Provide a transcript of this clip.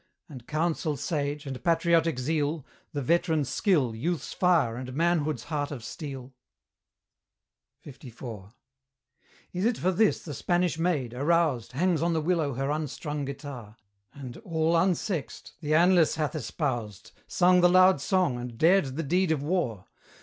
And Counsel sage, and patriotic Zeal, The veteran's skill, youth's fire, and manhood's heart of steel? LIV. Is it for this the Spanish maid, aroused, Hangs on the willow her unstrung guitar, And, all unsexed, the anlace hath espoused, Sung the loud song, and dared the deed of war?